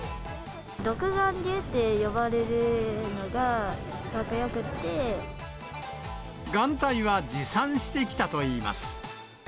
独眼竜って呼ばれるのがかっ眼帯は持参してきたといいます。